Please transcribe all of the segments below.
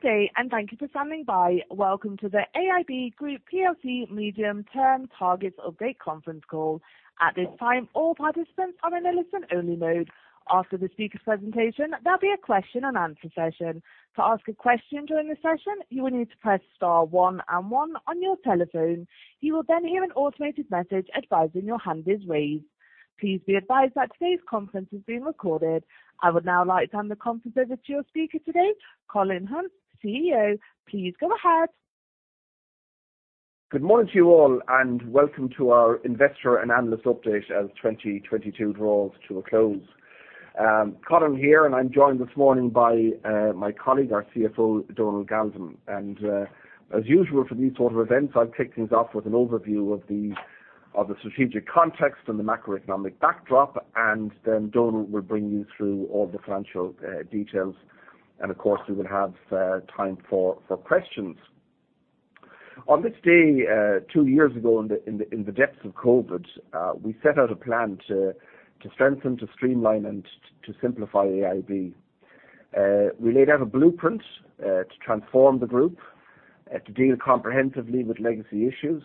Good day, thank you for standing by. Welcome to the AIB Group plc Medium Term Targets Update conference call. At this time, all participants are in a listen-only mode. After the speaker presentation, there'll be a question-and-answer session. To ask a question during the session, you will need to press star one one on your telephone. You will hear an automated message advising your hand is raised. Please be advised that today's conference is being recorded. I would now like to hand the conference over to your speaker today, Colin Hunt, CEO. Please go ahead. Good morning to you all, and welcome to our investor and analyst update as 2022 draws to a close. Colin here, and I'm joined this morning by my colleague, our CFO, Donal Galvin. As usual for these sort of events, I'll kick things off with an overview of the strategic context and the macroeconomic backdrop, then Donal will bring you through all the financial details. Of course, we will have time for questions. On this day, two years ago in the depths of COVID, we set out a plan to strengthen, to streamline, and to simplify AIB. We laid out a blueprint to transform the group to deal comprehensively with legacy issues,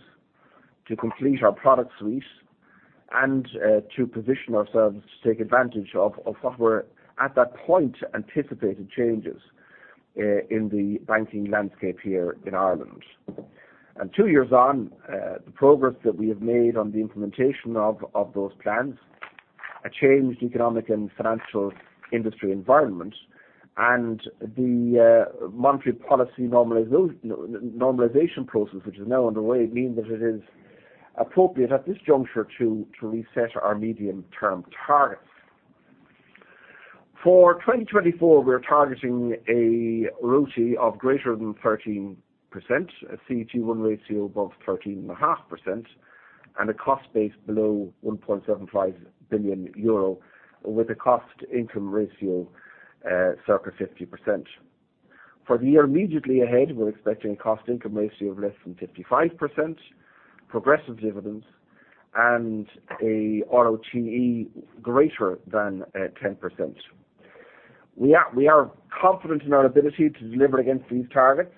to complete our product suite, and to position ourselves to take advantage of what were at that point, anticipated changes in the banking landscape here in Ireland. Two years on, the progress that we have made on the implementation of those plans, a changed economic and financial industry environment and the monetary policy normalization process, which is now underway, means that it is appropriate at this juncture to reset our medium-term targets. For 2024, we're targeting a ROTCE of greater than 13%, a CET1 ratio above 13.5%, and a cost base below 1.75 billion euro, with a cost-to-income ratio circa 50%. For the year immediately ahead, we're expecting cost-to-income ratio of less than 55%, progressive dividends, and a ROTE greater than 10%. We are confident in our ability to deliver against these targets.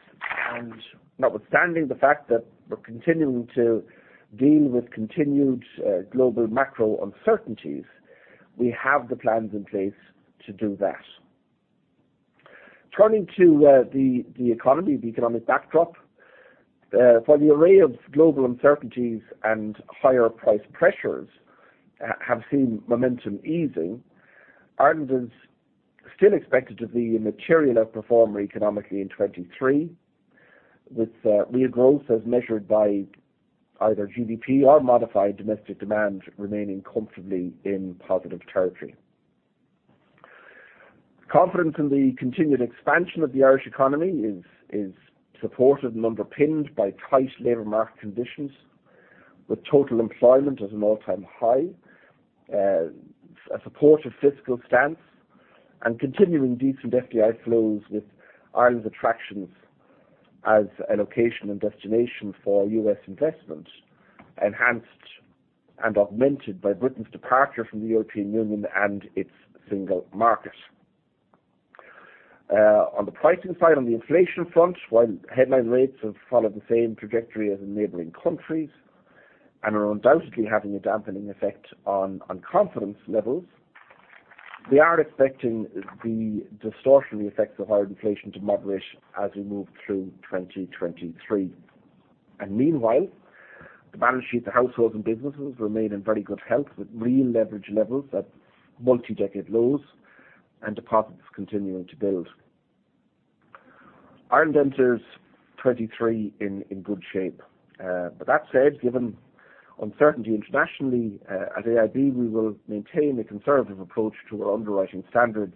Notwithstanding the fact that we're continuing to deal with continued global macro uncertainties, we have the plans in place to do that. Turning to the economy, the economic backdrop. For the array of global uncertainties and higher price pressures have seen momentum easing, Ireland is still expected to be a material outperformer economically in 2023, with real growth as measured by either GDP or Modified Domestic Demand remaining comfortably in positive territory. Confidence in the continued expansion of the Irish economy is supported and underpinned by tight labor market conditions with total employment at an all-time high, a support of fiscal stance and continuing decent FDI flows with Ireland's attractions as a location and destination for U.S. investment, enhanced and augmented by Britain's departure from the European Union and its single market. On the pricing side, on the inflation front, while headline rates have followed the same trajectory as in neighboring countries and are undoubtedly having a dampening effect on confidence levels, we are expecting the distortion effects of higher inflation to moderate as we move through 2023. Meanwhile, the balance sheet of households and businesses remain in very good health, with real leverage levels at multi-decade lows and deposits continuing to build. Ireland enters 2023 in good shape. That said, given uncertainty internationally, at AIB, we will maintain a conservative approach to our underwriting standards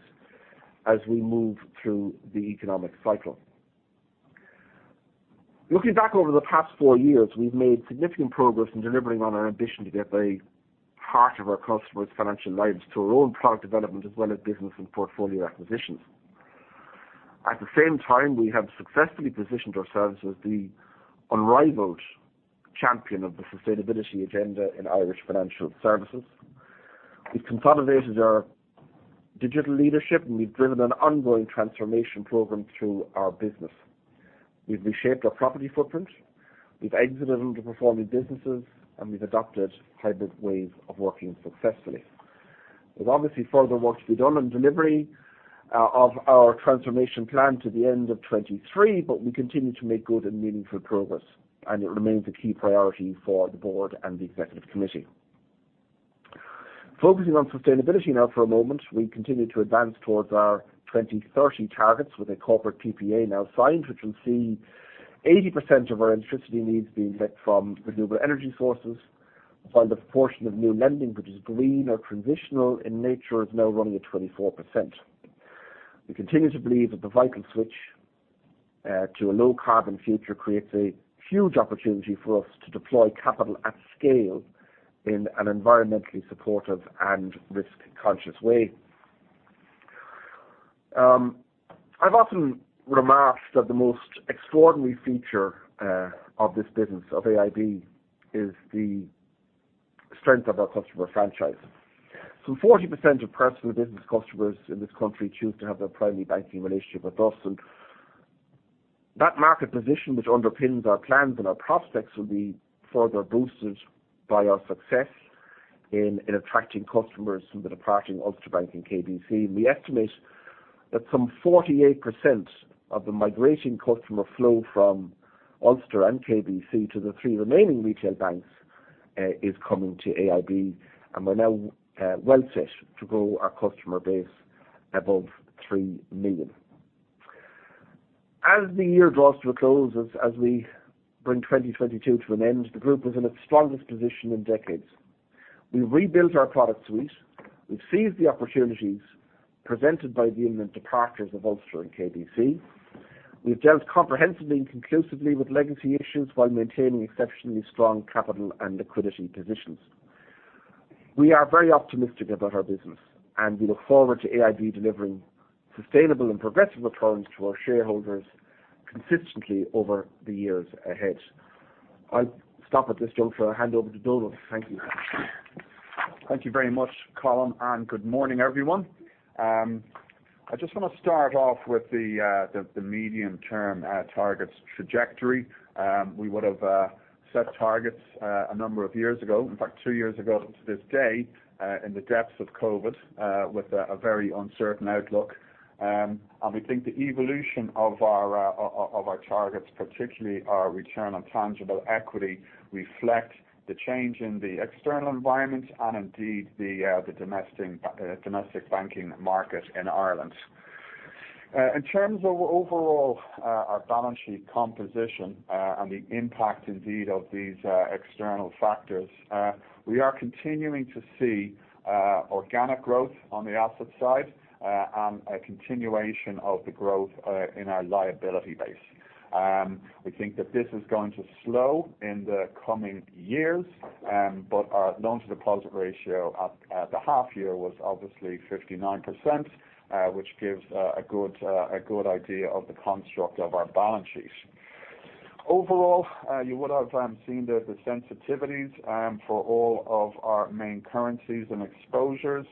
as we move through the economic cycle. Looking back over the past four years, we've made significant progress in delivering on our ambition to get a part of our customers' financial lives to our own product development as well as business and portfolio acquisitions. At the same time, we have successfully positioned ourselves as the unrivaled champion of the sustainability agenda in Irish financial services. We've consolidated our digital leadership, we've driven an ongoing transformation program through our business. We've reshaped our property footprint, we've exited underperforming businesses, we've adopted hybrid ways of working successfully. There's obviously further work to be done on delivery of our transformation plan to the end of 2023, but we continue to make good and meaningful progress, and it remains a key priority for the board and the executive committee. Focusing on sustainability now for a moment. We continue to advance towards our 2030 targets with a corporate PPA now signed, which will see 80% of our electricity needs being met from renewable energy sources, while the portion of new lending, which is green or transitional in nature, is now running at 24%. We continue to believe that the vital switch to a low-carbon future creates a huge opportunity for us to deploy capital at scale in an environmentally supportive and risk-conscious way. I've often remarked that the most extraordinary feature of this business, of AIB, is the strength of our customer franchise. Some 40% of personal business customers in this country choose to have their primary banking relationship with us, and that market position, which underpins our plans and our prospects, will be further boosted by our success in attracting customers from the departing Ulster Bank and KBC. We estimate that some 48% of the migrating customer flow from Ulster and KBC to the three remaining retail banks is coming to AIB, and we're now well set to grow our customer base above 3 million. As the year draws to a close, as we bring 2022 to an end, the group is in its strongest position in decades. We've rebuilt our product suite. We've seized the opportunities presented by the imminent departures of Ulster and KBC. We've dealt comprehensively and conclusively with legacy issues while maintaining exceptionally strong capital and liquidity positions. We are very optimistic about our business, and we look forward to AIB delivering sustainable and progressive returns to our shareholders consistently over the years ahead. I'll stop at this juncture and hand over to Donal. Thank you. Thank you very much, Colin, and good morning, everyone. I just want to start off with the medium-term targets trajectory. We would have set targets a number of years ago, in fact, two years ago to this day, in the depths of COVID, with a very uncertain outlook. We think the evolution of our of our targets, particularly our return on tangible equity, reflect the change in the external environment and indeed the domestic domestic banking market in Ireland. In terms of overall, our balance sheet composition, and the impact indeed of these external factors, we are continuing to see organic growth on the asset side, a continuation of the growth in our liability base. We think that this is going to slow in the coming years, but our loan-to-deposit ratio at the half year was obviously 59%, which gives a good idea of the construct of our balance sheet. Overall, you would have seen the sensitivities for all of our main currencies and exposures.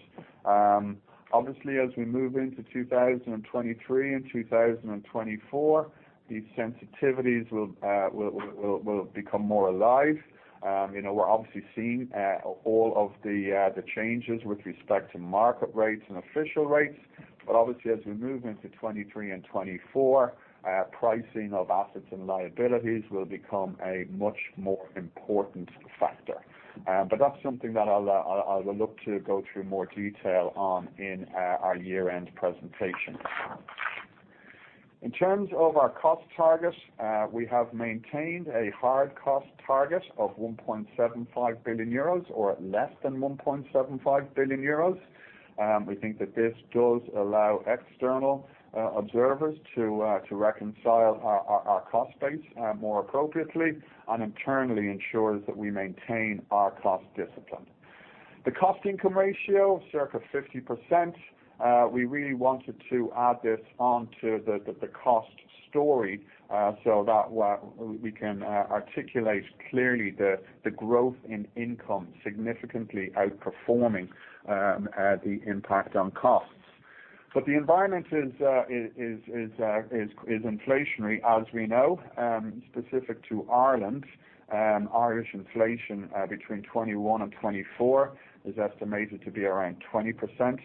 Obviously, as we move into 2023 and 2024, these sensitivities will become more alive. You know, we're obviously seeing all of the changes with respect to market rates and official rates. Obviously as we move into 2023 and 2024, pricing of assets and liabilities will become a much more important factor. That's something that I'll look to go through more detail on in our year-end presentation. In terms of our cost targets, we have maintained a hard cost target of 1.75 billion euros or less than 1.75 billion euros. We think that this does allow external observers to reconcile our cost base more appropriately, and internally ensures that we maintain our cost discipline. The cost-to-income ratio, circa 50%, we really wanted to add this onto the cost story so that we can articulate clearly the growth in income significantly outperforming the impact on costs. The environment is inflationary, as we know. Specific to Ireland, Irish inflation between 2021 and 2024 is estimated to be around 20%.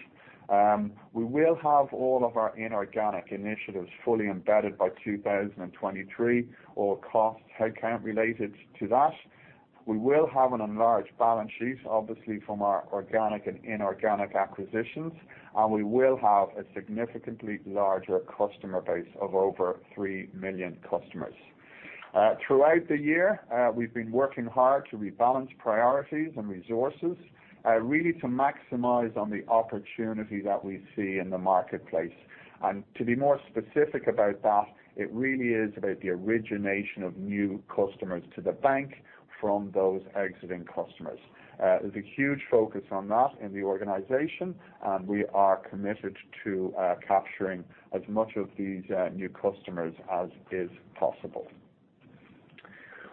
We will have all of our inorganic initiatives fully embedded by 2023, all costs headcount related to that. We will have an enlarged balance sheet, obviously from our organic and inorganic acquisitions, and we will have a significantly larger customer base of over 3 million customers. Throughout the year, we've been working hard to rebalance priorities and resources, really to maximize on the opportunity that we see in the marketplace. To be more specific about that, it really is about the origination of new customers to the bank from those exiting customers. There's a huge focus on that in the organization, and we are committed to capturing as much of these new customers as is possible.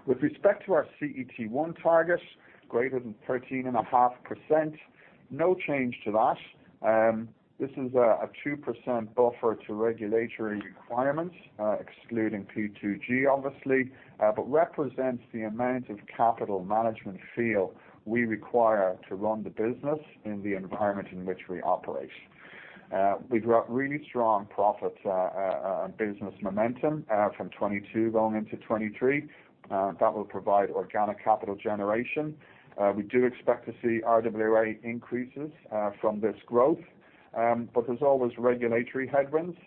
With respect to our CET1 target, greater than 13.5%, no change to that. This is a 2% buffer to regulatory requirements, excluding P2G, obviously, but represents the amount of capital management feel we require to run the business in the environment in which we operate. We've got really strong profits, business momentum, from 2022 going into 2023. That will provide organic capital generation. We do expect to see RWA increases from this growth. There's always regulatory headwinds,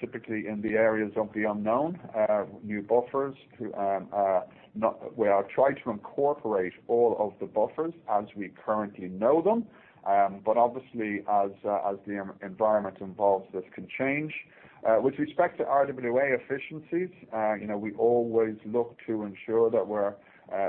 typically in the areas of the unknown, new buffers. We are trying to incorporate all of the buffers as we currently know them. Obviously as the environment evolves, this can change. With respect to RWA efficiencies, you know, we always look to ensure that we're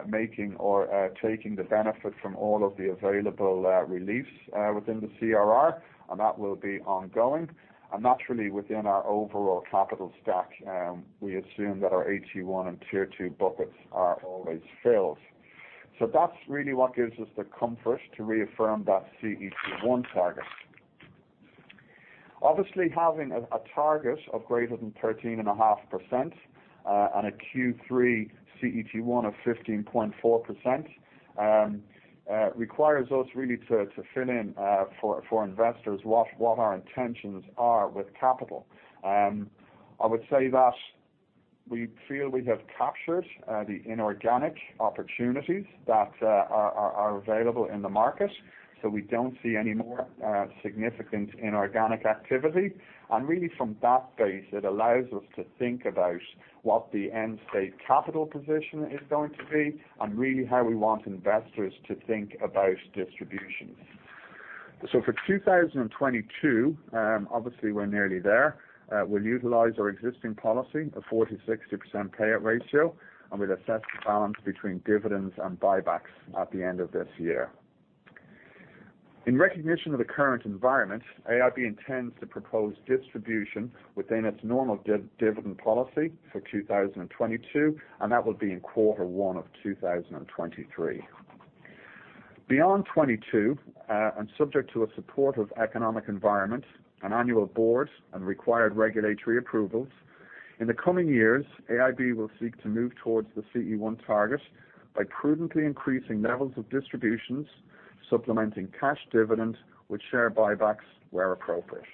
making or taking the benefit from all of the available reliefs within the CRR, and that will be ongoing. Naturally, within our overall capital stack, we assume that our AT1 and Tier 2 buckets are always filled. That's really what gives us the comfort to reaffirm that CET1 target. Obviously, having a target of greater than 13.5% on a Q3 CET1 of 15.4% requires us really to fill in for investors what our intentions are with capital. I would say that we feel we have captured the inorganic opportunities that are available in the market, so we don't see any more significant inorganic activity. Really from that base, it allows us to think about what the end state capital position is going to be and really how we want investors to think about distribution. For 2022, obviously we're nearly there, we'll utilize our existing policy of 40%-60% payout ratio, and we'll assess the balance between dividends and buybacks at the end of this year. In recognition of the current environment, AIB intends to propose distribution within its normal dividend policy for 2022, and that will be in quarter one of 2023. Beyond 2022, subject to a supportive economic environment, an annual board, and required regulatory approvals, in the coming years, AIB will seek to move towards the CET1 target by prudently increasing levels of distributions, supplementing cash dividend with share buybacks where appropriate.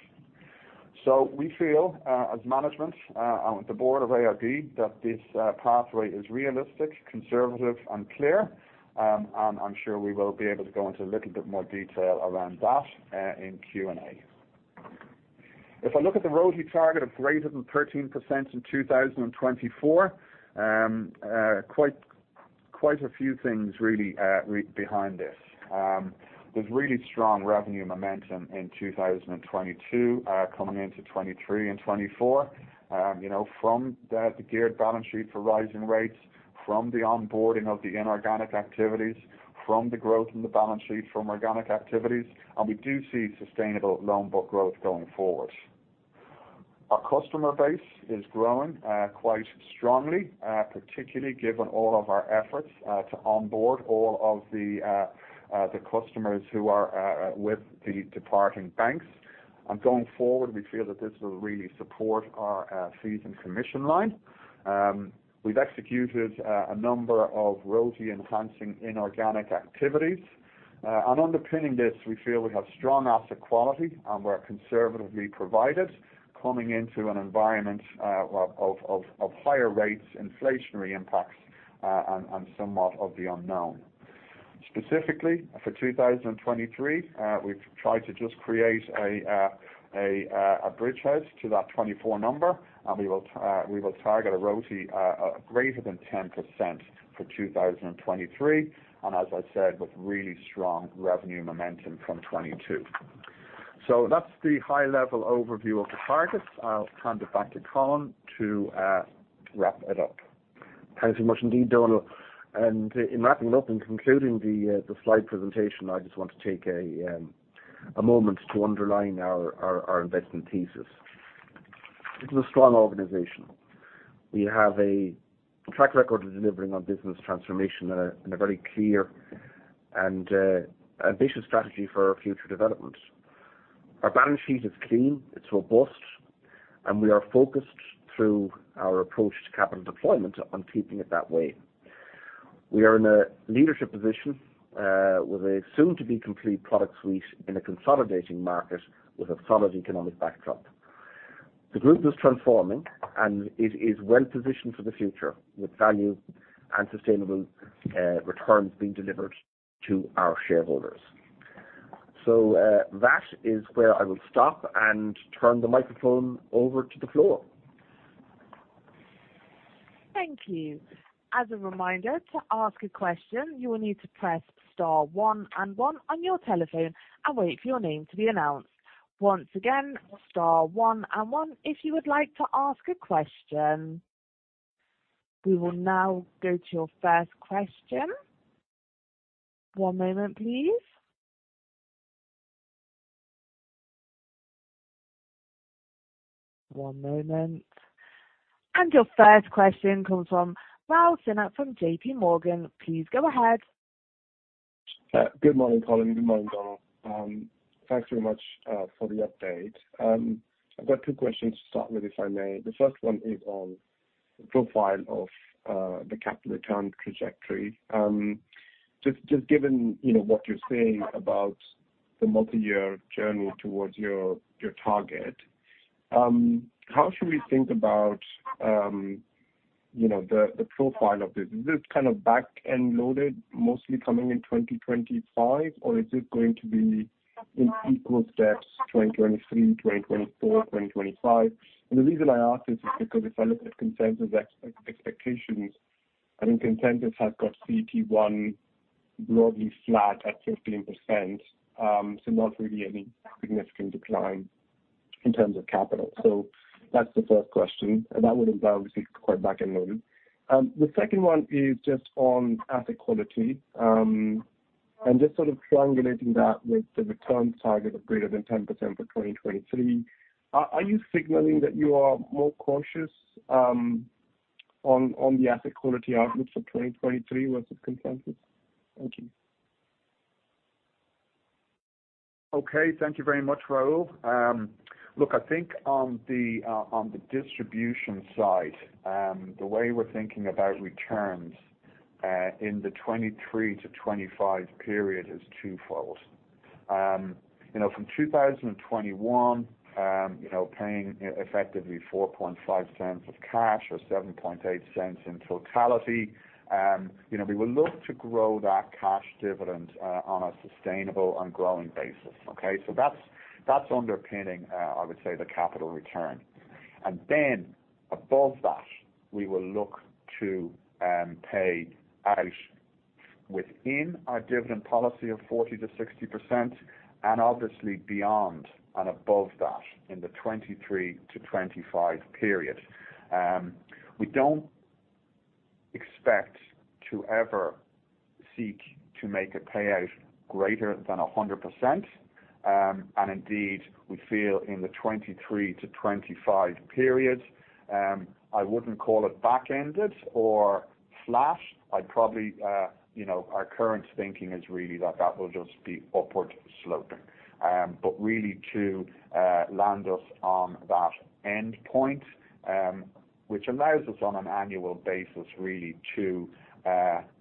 We feel as management and the board of AIB that this pathway is realistic, conservative and clear. I'm sure we will be able to go into a little bit more detail around that in Q&A. If I look at the ROTCE target of greater than 13% in 2024, quite a few things really behind this. There's really strong revenue momentum in 2022 coming into 2023 and 2024, you know, from the geared balance sheet for rising rates, from the onboarding of the inorganic activities, from the growth in the balance sheet from organic activities, we do see sustainable loan book growth going forward. Our customer base is growing quite strongly, particularly given all of our efforts to onboard all of the customers who are with the departing banks. Going forward, we feel that this will really support our fees and commission line. We've executed a number of ROTCE-enhancing inorganic activities. Underpinning this, we feel we have strong asset quality, and we're conservatively provided, coming into an environment of higher rates, inflationary impacts, and somewhat of the unknown. Specifically, for 2023, we've tried to just create a bridge house to that 2024 number, we will target a ROTCE greater than 10% for 2023, and as I said, with really strong revenue momentum from 2022. That's the high level overview of the targets. I'll hand it back to Colin to wrap it up. Thank you so much indeed, Donal. In wrapping up and concluding the slide presentation, I just want to take a moment to underline our investment thesis. This is a strong organization. We have a track record of delivering on business transformation in a very clear and ambitious strategy for our future development. Our balance sheet is clean, it's robust, and we are focused through our approach to capital deployment on keeping it that way. We are in a leadership position with a soon-to-be complete product suite in a consolidating market with a solid economic backdrop. The group is transforming, and it is well positioned for the future, with value and sustainable returns being delivered to our shareholders. That is where I will stop and turn the microphone over to the floor. Thank you. As a reminder, to ask a question, you will need to press star one and one on your telephone and wait for your name to be announced. Once again, star one and one if you would like to ask a question. We will now go to your first question. One moment, please. One moment. Your first question comes from Raul Sinha from JPMorgan. Please go ahead. Good morning, Colin. Good morning, Donal. Thanks very much for the update. I've got two questions to start with, if I may. The first one is on the profile of the capital return trajectory. Just given, you know, what you're saying about the multiyear journey towards your target, how should we think about, you know, the profile of this? Is this kind of back-end loaded, mostly coming in 2025, or is it going to be in equal steps, 2023, 2024, 2025? The reason I ask this is because if I look at consensus ex-expectations, I mean, consensus has got CET1 broadly flat at 15%, so not really any significant decline in terms of capital. That's the first question, and that would imply obviously quite back-end loaded. The second one is just on asset quality. Just sort of triangulating that with the return target of greater than 10% for 2023, are you signaling that you are more cautious on the asset quality outlook for 2023 versus consensus? Thank you. Okay, thank you very much, Raul. Look, I think on the distribution side, the way we're thinking about returns in the 2023-2025 period is twofold. You know from 2021, you know, paying effectively 0.045 of cash or 0.078 in totality, you know, we will look to grow that cash dividend on a sustainable and growing basis. Okay? That's, that's underpinning, I would say the capital return. Then above that, we will look to pay out within our dividend policy of 40%-60% and obviously beyond and above that in the 2023-2025 period. We don't expect to ever seek to make a payout greater than 100%. Indeed, we feel in the 2023-2025 period, I wouldn't call it back-ended or flat. I'd probably, you know, our current thinking is really that that will just be upward sloping. Really to land us on that endpoint, which allows us on an annual basis really to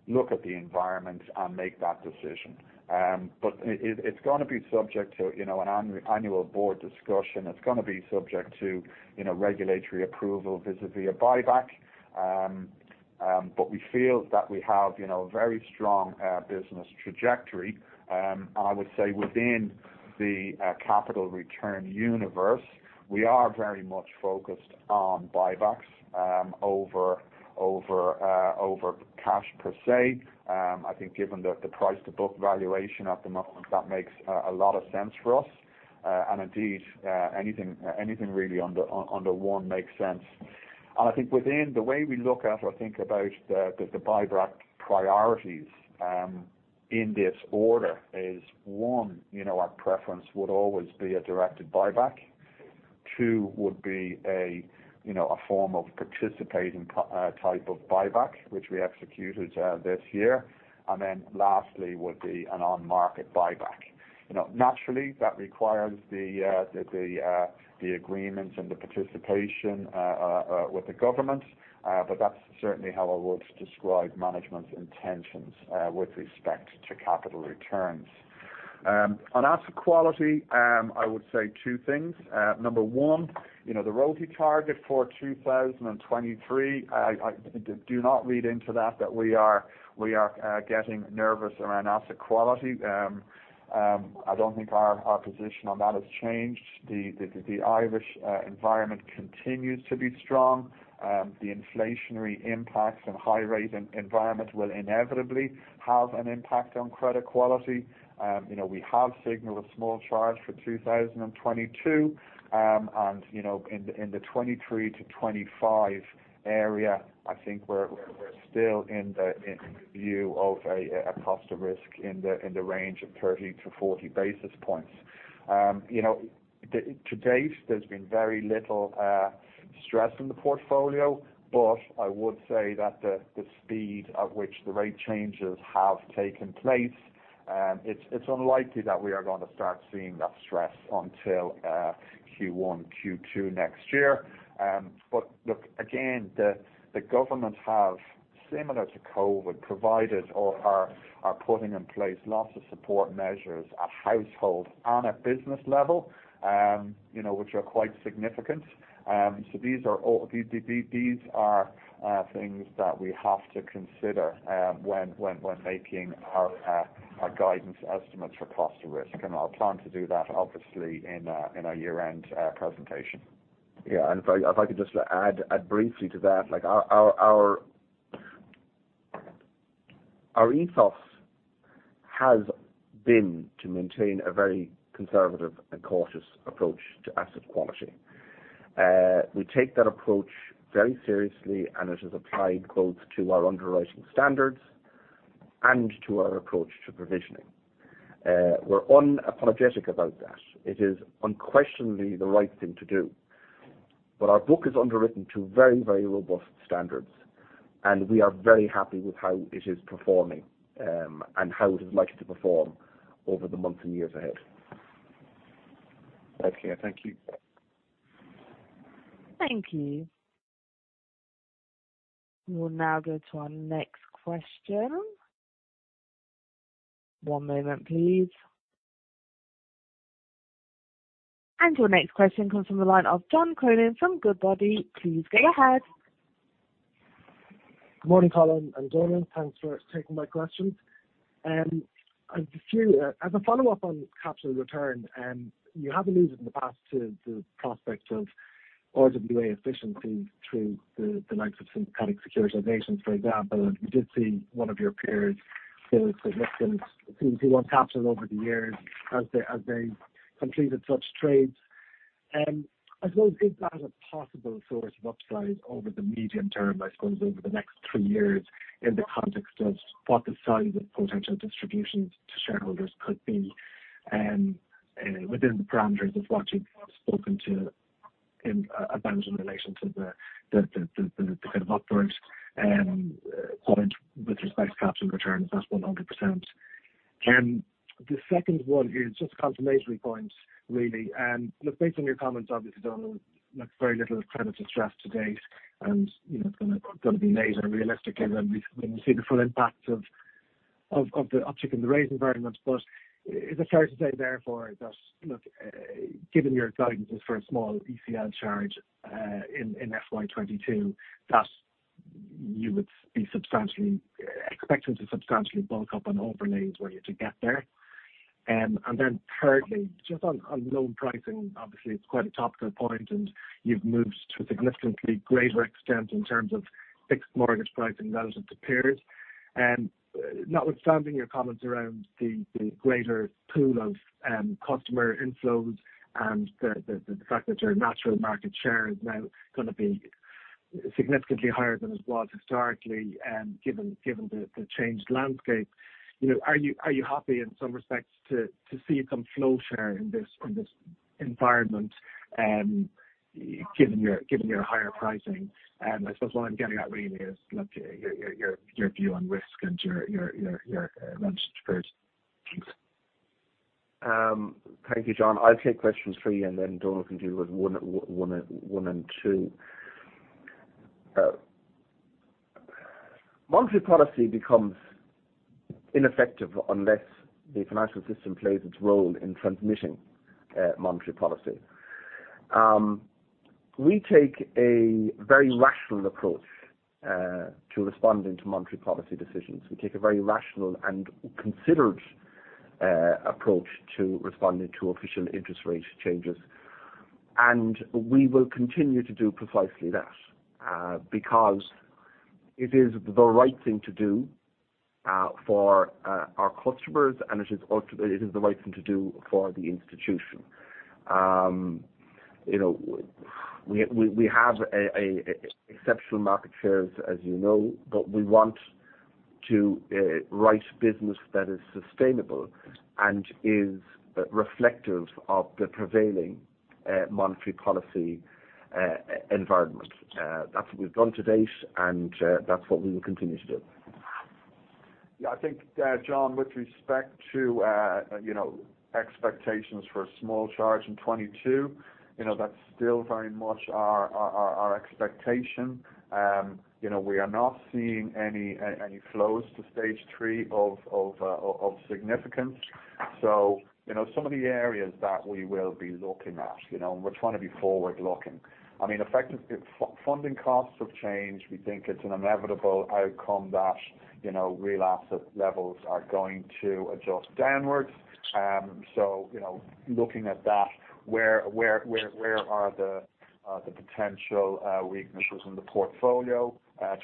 look at the environment and make that decision. It, it's gonna be subject to, you know, an annual board discussion. It's gonna be subject to, you know, regulatory approval vis-a-vis a buyback. We feel that we have, you know, a very strong business trajectory. I would say within the capital return universe, we are very much focused on buybacks over cash per se. I think given the price-to-book valuation at the moment, that makes a lot of sense for us. Indeed, anything really under one makes sense. I think within the way we look at or think about the buyback priorities, in this order is one, you know, our preference would always be a directed buyback. Two would be a, you know, a form of participating type of buyback, which we executed this year. Lastly would be an on-market buyback. You know, naturally, that requires the agreement and the participation with the government. That's certainly how I would describe management's intentions with respect to capital returns. On asset quality, I would say two things. Number one, you know, the ROTCE target for 2023, do not read into that we are getting nervous around asset quality. I don't think our position on that has changed. The Irish environment continues to be strong. The inflationary impacts and high rate environment will inevitably have an impact on credit quality. You know, we have signaled a small charge for 2022. You know, in the 2023 to 2025 area, I think we're still in the view of a cost of risk in the range of 30 to 40 basis points. You know, to date, there's been very little stress in the portfolio, but I would say that the speed at which the rate changes have taken place, it's unlikely that we are gonna start seeing that stress until Q1, Q2 next year. Look, again, the government have, similar to COVID, provided or are putting in place lots of support measures at household on a business level, you know, which are quite significant. These are things that we have to consider when making our guidance estimates for cost of risk. I'll plan to do that obviously in our year-end presentation. Yeah. If I could just add briefly to that, like our ethos has been to maintain a very conservative and cautious approach to asset quality. We take that approach very seriously, and it is applied both to our underwriting standards and to our approach to provisioning. We're unapologetic about that. It is unquestionably the right thing to do. Our book is underwritten to very robust standards, and we are very happy with how it is performing, and how it is likely to perform over the months and years ahead. Okay. Thank you. Thank you. We'll now go to our next question. One moment please. Your next question comes from the line of John Cronin from Goodbody. Please go ahead. Good morning, Colin and Donal. Thanks for taking my questions. I just few as a follow-up on capital return, you have alluded in the past to prospects of RWA efficiency through the likes of synthetic securitizations, for example. We did see one of your peers, submit some CET1 capital over the years as they completed such trades. I suppose, is that a possible source of upside over the medium term, I suppose, over the next three years, in the context of what the size of potential distributions to shareholders could be within the parameters of what you've spoken to today? In a balance in relation to the kind of upwards point with respect to capital returns, that's 100%. The second one is just a complementary point really. Look, based on your comments, obviously, Donal, look very little credit to stress to date. You know, it's gonna be later realistically when we, when we see the full impact of the uptick in the rate environment. Is it fair to say therefore that, look, given your guidances for a small ECL charge, in FY 2022, that you would be substantially, expecting to substantially bulk up on overlays were you to get there? Then thirdly, just on loan pricing, obviously it's quite a topical point, and you've moved to a significantly greater extent in terms of fixed mortgage pricing relative to peers. Notwithstanding your comments around the greater pool of customer inflows and the fact that your natural market share is now gonna be significantly higher than it was historically, given the changed landscape. You know, are you happy in some respects to see some flow share in this environment, given your higher pricing? I suppose what I'm getting at really is look, your view on risk and your lens to peers. Thanks. Thank you, John. I'll take questions for you, and then Donal can deal with one and one and two. Monetary policy becomes ineffective unless the financial system plays its role in transmitting monetary policy. We take a very rational approach to responding to monetary policy decisions. We take a very rational and considered approach to responding to official interest rate changes. We will continue to do precisely that because it is the right thing to do for our customers, and it is the right thing to do for the institution. You know, we have a exceptional market shares, as you know, but we want to write business that is sustainable and is reflective of the prevailing monetary policy environment. That's what we've done to date, and that's what we will continue to do. I think, John, with respect to, you know, expectations for a small charge in 2022, you know, that's still very much our expectation. You know, we are not seeing any flows to stage 3 of significance. You know, some of the areas that we will be looking at, you know, and we're trying to be forward looking. I mean, effective funding costs have changed. We think it's an inevitable outcome that, you know, real asset levels are going to adjust downwards. You know, looking at that, where are the potential weaknesses in the portfolio,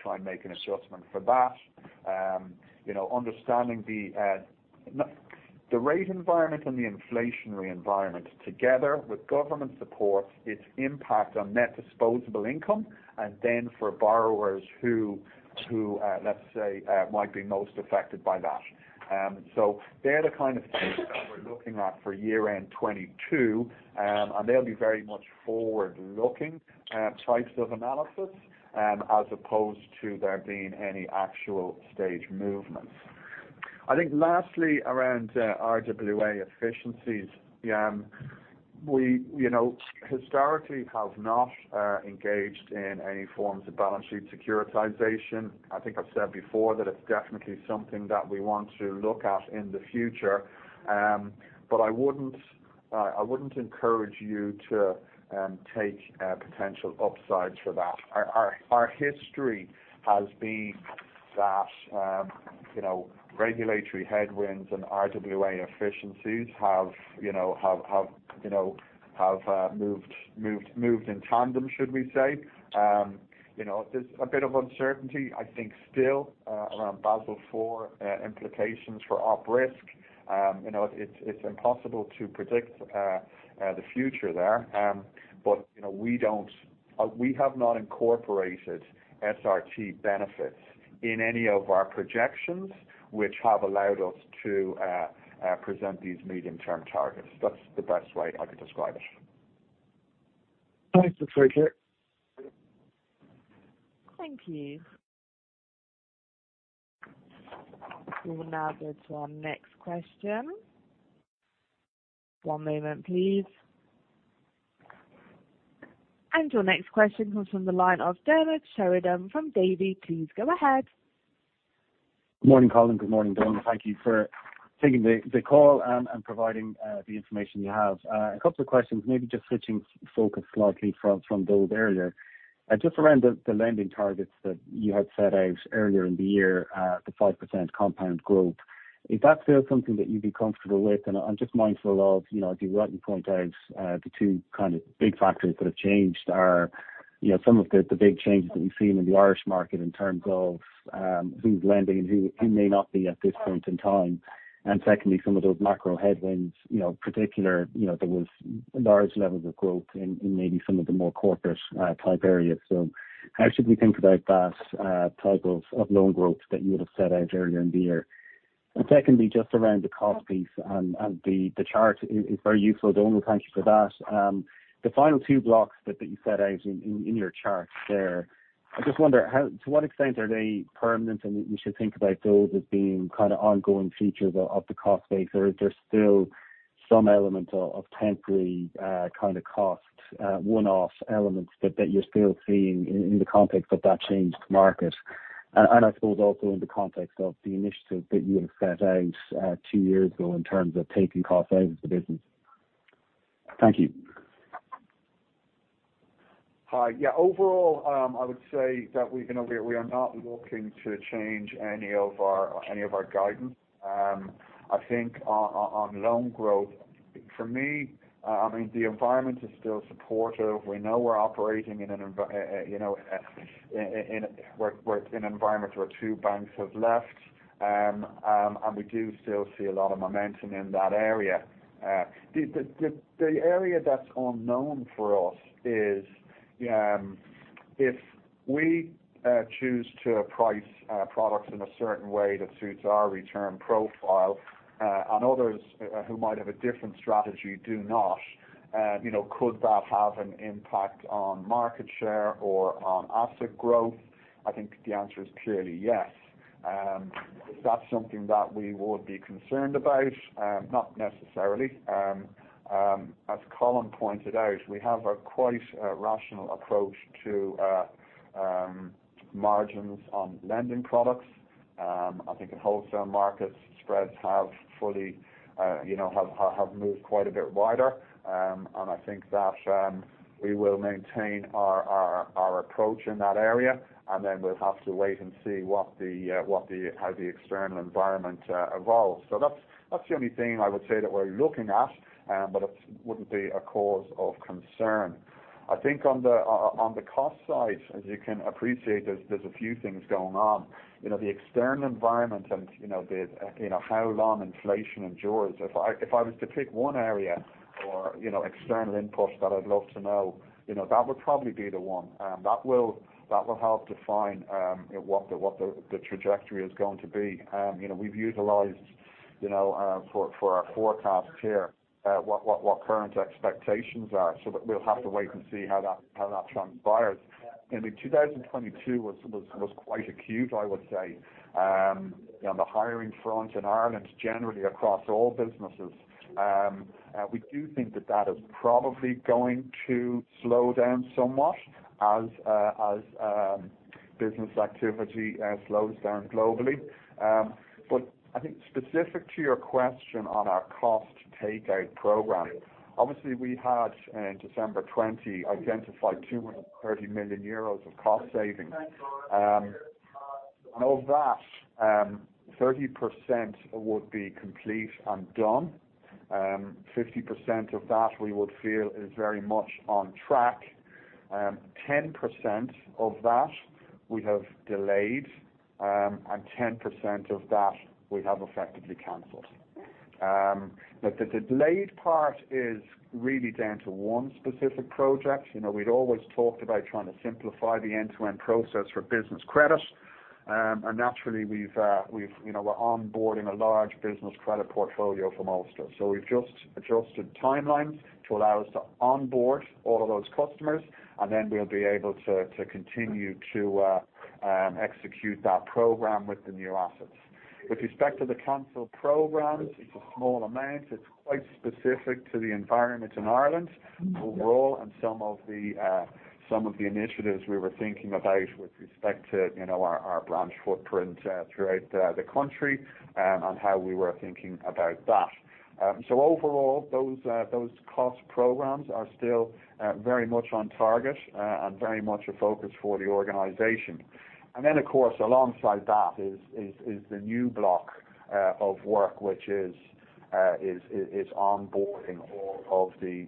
try and make an adjustment for that. You know, understanding the rate environment and the inflationary environment together with government support, its impact on net disposable income, and then for borrowers who might be most affected by that. They're the kind of things that we're looking at for year-end 2022. They'll be very much forward-looking types of analysis as opposed to there being any actual stage movements. I think lastly around RWA efficiencies. We, you know, historically have not engaged in any forms of balance sheet securitization. I think I've said before that it's definitely something that we want to look at in the future. I wouldn't encourage you to take potential upsides for that. Our history has been that, you know, regulatory headwinds and RWA efficiencies have moved in tandem, should we say. You know, there's a bit of uncertainty, I think still, around Basel IV implications for operational risk. You know, it's impossible to predict the future there. You know, we have not incorporated SRT benefits in any of our projections which have allowed us to present these medium term targets. That's the best way I could describe it. Thanks. That's very clear. Thank you. We will now go to our next question. One moment please. Your next question comes from the line of Diarmaid Sheridan from Davy. Please go ahead. Good morning, Colin. Good morning, Donal. Thank you for taking the call and providing the information you have. A couple of questions, maybe just switching focus slightly from those earlier. Just around the lending targets that you had set out earlier in the year, the 5% compound growth. Is that still something that you'd be comfortable with? I'm just mindful of, you know, as you rightly point out, the two kind of big factors that have changed are, you know, some of the big changes that we've seen in the Irish market in terms of who's lending and who may not be at this point in time. Secondly, some of those macro headwinds, you know, particular, you know, there was large levels of growth in maybe some of the more corporate type areas. How should we think about that type of loan growth that you would have set out earlier in the year? Secondly, just around the cost piece and the chart is very useful, Donal. Thank you for that. The final two blocks that you set out in your chart there, I just wonder how to what extent are they permanent, and we should think about those as being kind of ongoing features of the cost base? Are there still some element of temporary kind of cost one-off elements that you're still seeing in the context of that changed market? I suppose also in the context of the initiative that you had set out two years ago in terms of taking costs out of the business. Thank you. Hi. Yeah. Overall, I would say that we've, you know, we are not looking to change any of our guidance. I think on loan growth for me, I mean, the environment is still supportive. We know we're operating in an environment where two banks have left. We do still see a lot of momentum in that area. The area that's unknown for us is, if we choose to price, products in a certain way that suits our return profile, and others who might have a different strategy do not, you know, could that have an impact on market share or on asset growth? I think the answer is clearly yes. Is that something that we would be concerned about? Not necessarily. As Colin pointed out, we have a quite rational approach to margins on lending products. I think in wholesale markets, spreads have fully, you know, moved quite a bit wider. I think that we will maintain our approach in that area, and then we'll have to wait and see what the how the external environment evolves. That's the only thing I would say that we're looking at, but it wouldn't be a cause of concern. I think on the cost side, as you can appreciate, there's a few things going on. You know, the external environment and, you know, how long inflation endures. If I was to pick one area or, you know, external input that I'd love to know, you know, that would probably be the one. That will help define what the trajectory is going to be. You know, we've utilized, you know, for our forecast here, what current expectations are, so we'll have to wait and see how that transpires. I mean, 2022 was quite acute, I would say, on the hiring front in Ireland, generally across all businesses. We do think that that is probably going to slow down somewhat as business activity slows down globally. I think specific to your question on our cost take-out program, obviously, we had in December 20 identified 230 million euros of cost savings. Of that, 30% would be complete and done. 50% of that we would feel is very much on track. 10% of that we have delayed, 10% of that we have effectively canceled. The delayed part is really down to one specific project. You know, we'd always talked about trying to simplify the end-to-end process for business credit. Naturally we've, you know, we're onboarding a large business credit portfolio from Ulster. We've just adjusted timelines to allow us to onboard all of those customers, and then we'll be able to continue to execute that program with the new assets. With respect to the canceled programs, it's a small amount. It's quite specific to the environment in Ireland overall and some of the initiatives we were thinking about with respect to, you know, our branch footprint throughout the country, and how we were thinking about that. Overall, those cost programs are still very much on target and very much a focus for the organization. Then of course, alongside that is the new block of work, which is onboarding all of the,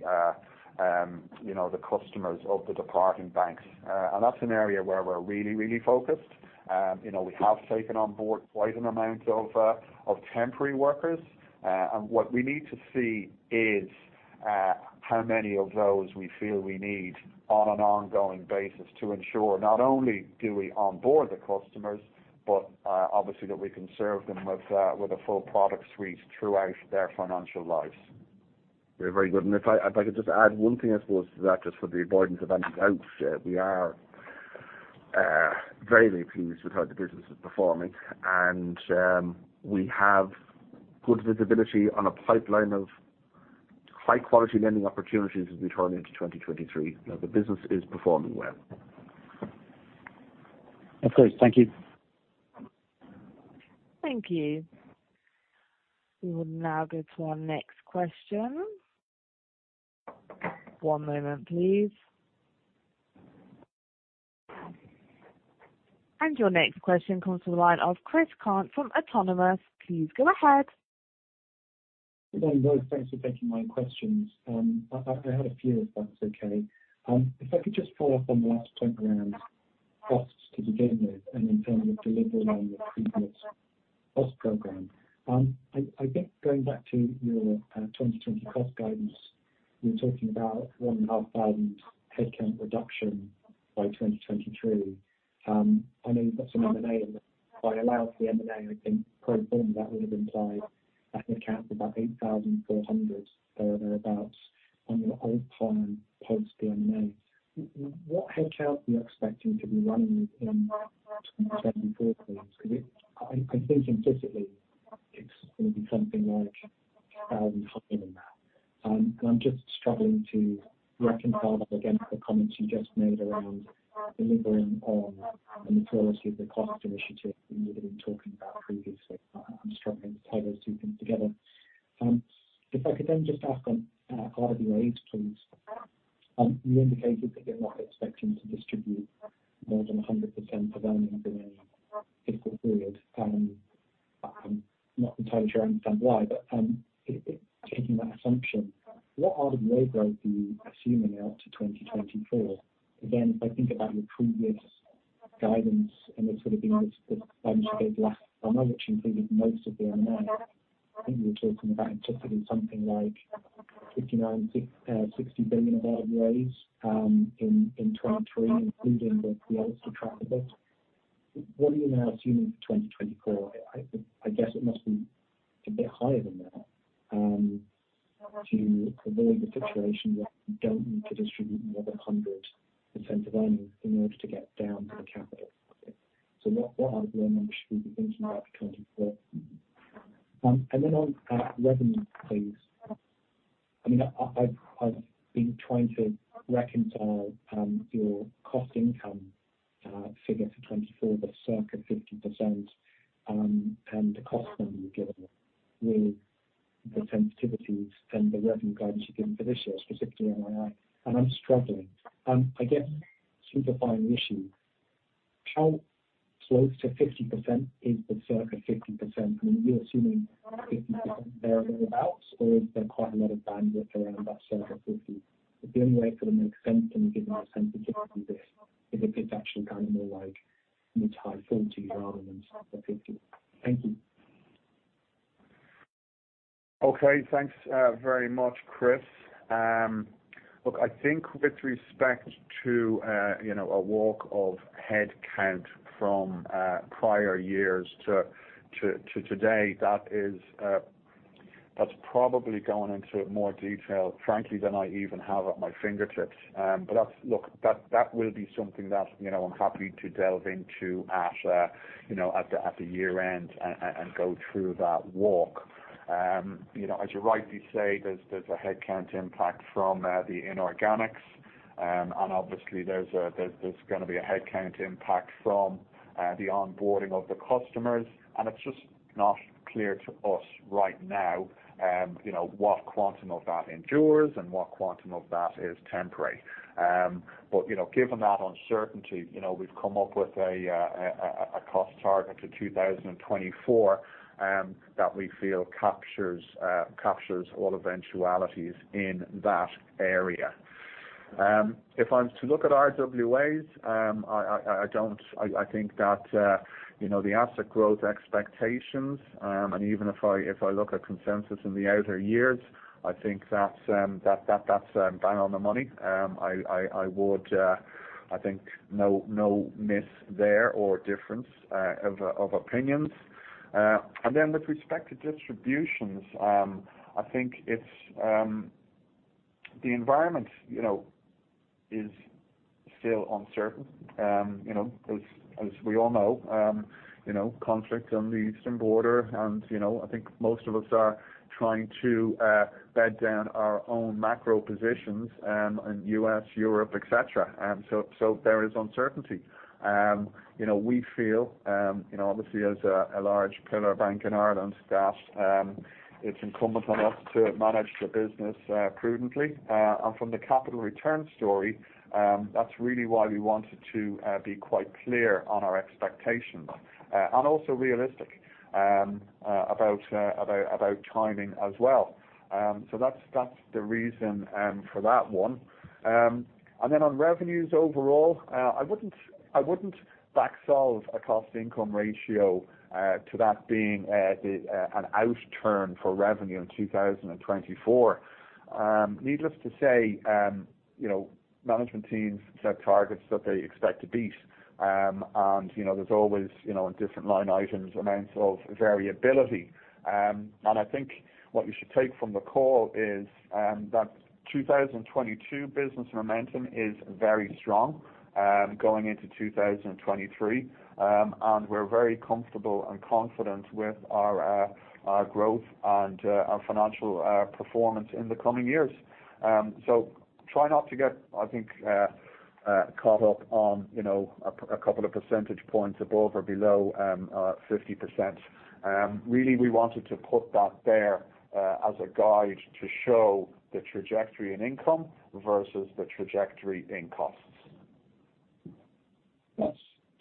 you know, the customers of the departing banks. That's an area where we're really focused. You know, we have taken on board quite an amount of temporary workers. What we need to see is how many of those we feel we need on an ongoing basis to ensure not only do we onboard the customers, but obviously that we can serve them with a full product suite throughout their financial lives. Very good. If I could just add one thing, I suppose, to that, just for the avoidance of any doubt, we are very pleased with how the business is performing, and we have good visibility on a pipeline of high-quality lending opportunities as we turn into 2023. You know, the business is performing well. That's great. Thank you. Thank you. We will now go to our next question. One moment, please. Your next question comes from the line of Chris Cant from Autonomous. Please go ahead. Good day, guys. Thanks for taking my questions. I had a few if that's okay. If I could just follow up on the last point around costs to begin with and in terms of delivering on the previous cost program. I guess going back to your 2020 cost guidance. You're talking about 1,500 headcount reduction by 2023. I know you've got some M&A in there. If I allow for the M&A, I think pro forma, that would have implied, I think, a count of about 8,400, there or thereabouts, on your old plan post the M&A. What headcount are you expecting to be running in 2024, please? Because I think implicitly it's going to be something like 1,500 in that. I'm just struggling to reconcile that against the comments you just made around delivering on the maturity of the cost initiative that you've been talking about previously. I'm struggling to tie those two things together. If I could just ask on RWA, please. You indicated that you're not expecting to distribute more than 100% of earnings in any fiscal period. I'm not entirely sure I understand why, but, taking that assumption, what RWA growth are you assuming out to 2024? If I think about your previous guidance and the sort of things that Ben shared last summer, which included most of the M&A, I think you were talking about implicitly something like 59 billion-60 billion of RWAs in 2023, including the pre-announcement trap a bit. What are you now assuming for 2024? I guess it must be a bit higher than that to avoid a situation where you don't need to distribute more than 100% of earnings in order to get down to the capital target. What RWA number should we be thinking about for 2024? On revenue please. I mean, I've been trying to reconcile your cost income figure for 2024, the circa 50%, and the cost number you've given with the sensitivities and the revenue guidance you've given for this year, specifically NII, and I'm struggling. I guess simplifying the issue, how close to 50% is the circa 50%? I mean, are you assuming 50% there or thereabouts, or is there quite a lot of bandwidth around that circa 50%? The only way it sort of makes sense when you're giving that sensitivity on this is if it's actually kind of more like mid-high 40% rather than circa 50%. Thank you. Okay. Thanks very much, Chris. Look, I think with respect to, you know, a walk of headcount from prior years to today, that is, that's probably going into more detail, frankly, than I even have at my fingertips. That's... Look, that will be something that, you know, I'm happy to delve into at, you know, at the year end and go through that walk. You know, as you rightly say, there's a headcount impact from the inorganics, and obviously there's gonna be a headcount impact from the onboarding of the customers, and it's just not clear to us right now, you know, what quantum of that endures and what quantum of that is temporary. You know, given that uncertainty, you know, we've come up with a cost target to 2024 that we feel captures all eventualities in that area. If I'm to look at RWAs, I don't... I think that, you know, the asset growth expectations, and even if I, if I look at consensus in the outer years, I think that's bang on the money. I would, I think no miss there or difference of opinions. Then with respect to distributions, I think it's the environment, you know, is still uncertain. You know, as we all know, you know, conflict on the eastern border and, you know, I think most of us are trying to bed down our own macro positions in U.S., Europe, et cetera. There is uncertainty. You know, we feel, you know, obviously as a large pillar bank in Ireland that it's incumbent on us to manage the business prudently. From the capital return story, that's really why we wanted to be quite clear on our expectations and also realistic about timing as well. That's, that's the reason for that one. Then on revenues overall, I wouldn't back solve a cost-to-income ratio to that being the an outturn for revenue in 2024. Needless to say, you know, management teams set targets that they expect to beat. You know, there's always, you know, in different line items, amounts of variability. I think what you should take from the call is that 2022 business momentum is very strong, going into 2023. We're very comfortable and confident with our growth and our financial performance in the coming years. Try not to get, I think, caught up on, you know, a couple of percentage points above or below 50%. Really we wanted to put that there as a guide to show the trajectory in income versus the trajectory in costs.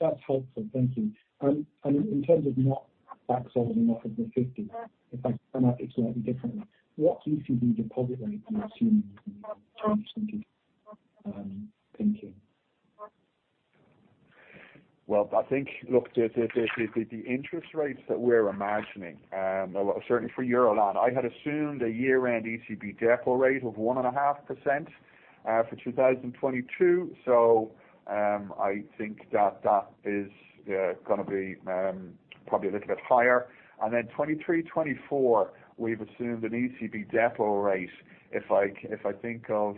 That's helpful. Thank you. In terms of not back solving off of the 50%, if I come at it slightly differently, what ECB deposit rate are you assuming in your 2020 thinking? Well, I think, look, the interest rates that we're imagining, certainly for Euroland, I had assumed a year-end ECB DEPO rate of 1.5% for 2022. I think that is gonna be probably a little bit higher. 2023, 2024, we've assumed an ECB DEPO rate, if I think of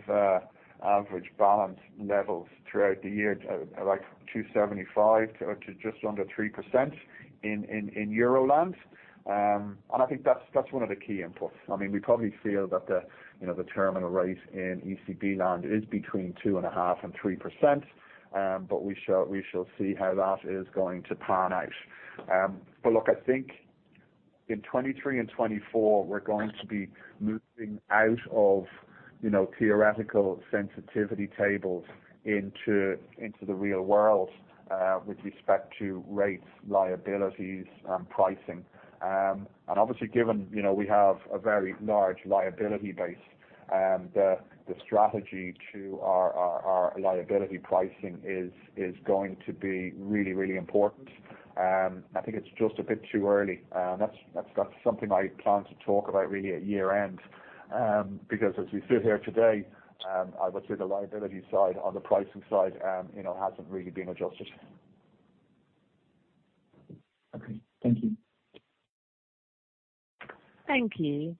average balance levels throughout the year, like 2.75% to just under 3% in Euroland. I think that's one of the key inputs. I mean, we probably feel that, you know, the terminal rate in ECB land is between 2.5% and 3%, we shall see how that is going to pan out. Look, I think in 2023 and 2024, we're going to be moving out of, you know, theoretical sensitivity tables into the real world with respect to rates, liabilities, and pricing. Obviously, given, you know, we have a very large liability base, the strategy to our liability pricing is going to be really important. I think it's just a bit too early. That's something I plan to talk about really at year-end. As we sit here today, I would say the liability side on the pricing side, you know, hasn't really been adjusted. Okay. Thank you. Thank you.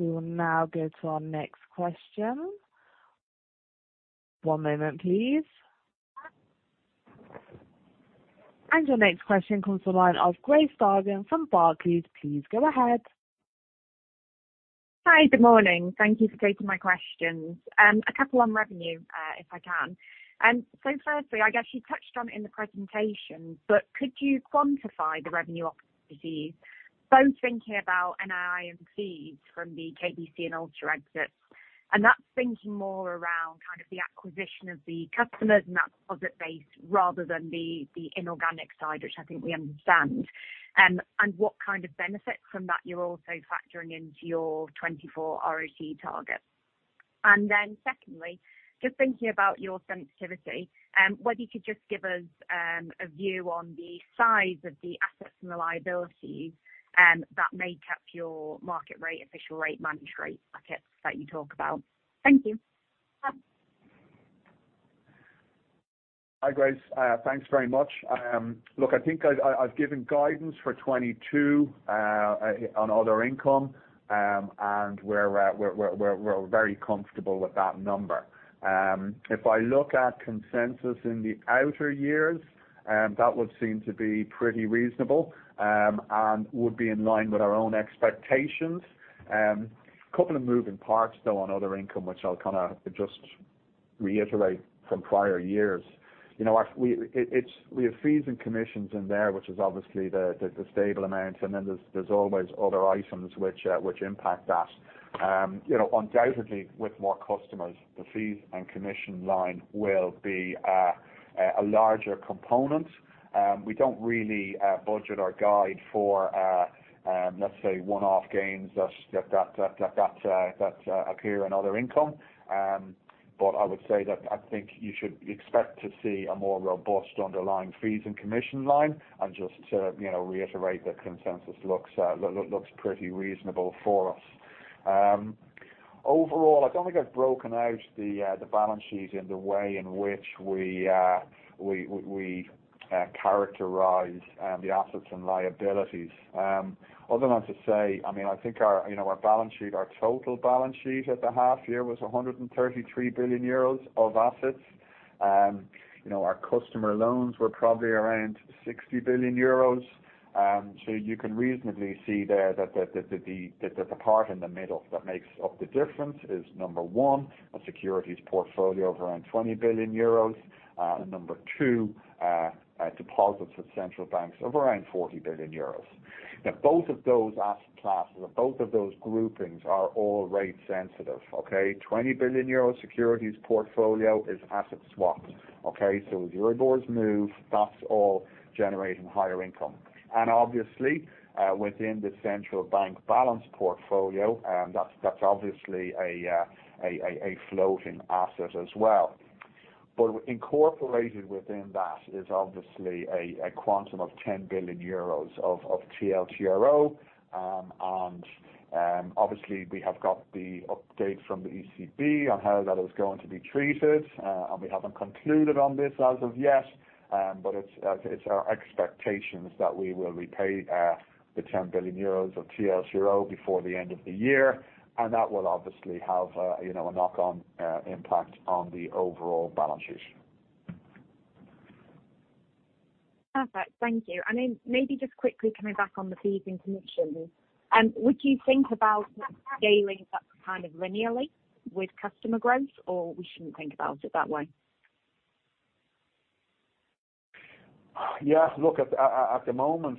We will now go to our next question. One moment please. Your next question comes to the line of Grace Dargan from Barclays. Please go ahead. Hi. Good morning. Thank you for taking my questions. A couple on revenue, if I can. Firstly, I guess you touched on it in the presentation, but could you quantify the revenue opportunities, both thinking about NII and fees from the KBC and Ulster Bank exits? That's thinking more around the acquisition of the customers and that deposit base rather than the inorganic side, which I think we understand. What benefits from that you're also factoring into your 2024 ROTE target. Secondly, just thinking about your sensitivity, whether you could just give us a view on the size of the assets and the liabilities that make up your market rate, official rate, managed rate bucket that you talk about. Thank you. Hi, Grace. Thanks very much. Look, I think I've given guidance for 2022 on other income, and we're very comfortable with that number. If I look at consensus in the outer years, that would seem to be pretty reasonable, and would be in line with our own expectations. Couple of moving parts though on other income, which I'll kind of just reiterate from prior years. You know, we have fees and commissions in there, which is obviously the stable amount, and then there's always other items which impact that. You know, undoubtedly with more customers, the fees and commission line will be a larger component. We don't really budget or guide for let's say one-off gains that appear in other income. But I would say that I think you should expect to see a more robust underlying fees and commission line. Just to, you know, reiterate, the consensus looks pretty reasonable for us. Overall, I don't think I've broken out the balance sheet in the way in which we characterize the assets and liabilities. Other than to say, I mean, I think our, you know, our balance sheet, our total balance sheet at the half year was 133 billion euros of assets. You know, our customer loans were probably around 60 billion euros. You can reasonably see there that the part in the middle that makes up the difference is, number one, a securities portfolio of around 20 billion euros. Number two, deposits with central banks of around 40 billion euros. Both of those asset classes or both of those groupings are all rate sensitive, okay. 20 billion euro securities portfolio is asset swaps, okay. As Euribors move, that's all generating higher income. Obviously, within the central bank balance portfolio, that's obviously a floating asset as well. Incorporated within that is obviously a quantum of 10 billion euros of TLTRO. Obviously we have got the update from the ECB on how that is going to be treated. We haven't concluded on this as of yet, but it's our expectations that we will repay the 10 billion euros of TLTRO before the end of the year, and that will obviously have a, you know, a knock on impact on the overall balance sheet. Perfect. Thank you. Maybe just quickly coming back on the fees and commissions, would you think about scaling that kind of linearly with customer growth, or we shouldn't think about it that way? Yeah. Look, at the moment,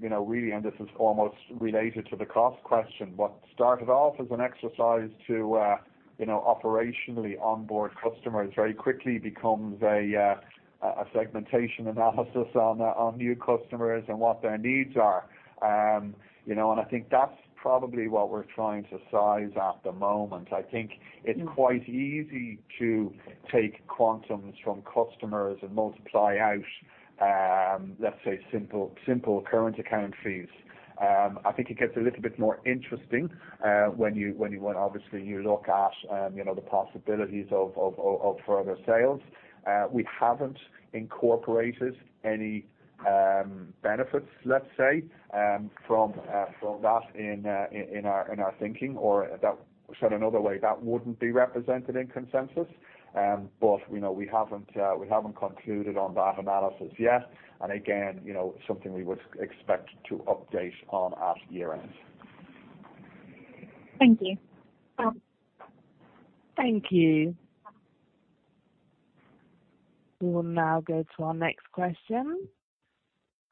you know, really, and this is almost related to the cost question, what started off as an exercise to, you know, operationally onboard customers very quickly becomes A segmentation analysis on new customers and what their needs are. You know, and I think that's probably what we're trying to size at the moment. I think it's quite easy to take quantums from customers and multiply out, let's say simple current account fees. I think it gets a little bit more interesting, when you when obviously you look at, you know, the possibilities of further sales. We haven't incorporated any benefits, let's say, from that in our thinking or that. Said another way that wouldn't be represented in consensus. You know, we haven't, we haven't concluded on that analysis yet. Again, you know, something we would expect to update on at year-end. Thank you. Thank you. We will now go to our next question.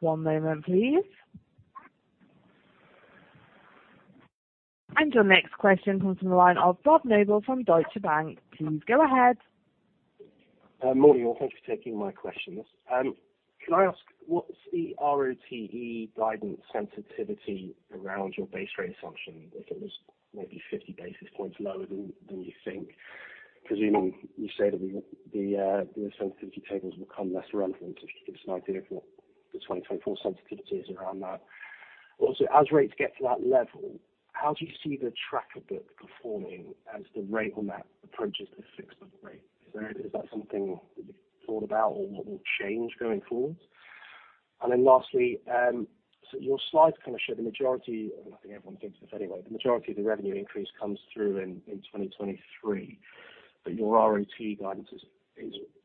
One moment please. Your next question comes from the line of Robert Noble from Deutsche Bank. Please go ahead. Morning all. Thanks for taking my questions. Can I ask what's the ROTE guidance sensitivity around your base rate assumption if it was maybe 50 basis points lower than you think? Presuming you say that the sensitivity tables become less relevant. If you could give us an idea of what the 2024 sensitivity is around that. As rates get to that level, how do you see the tracker book performing as the rate on that approaches the fixed book rate? Is that something that you've thought about or what will change going forward? Lastly, your slides kind of show the majority, and I think everyone thinks this anyway, the majority of the revenue increase comes through in 2023, but your ROTE guidance is.